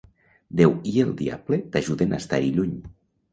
Déu i el diable t'ajuden a estar-hi lluny!